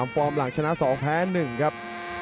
ฟอร์มหลังชนะ๒แพ้๑ครับ